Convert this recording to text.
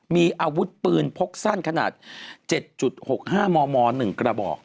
มีอาวุธปืนพกสั้นขนาด๗๖๕มม๑กระบอก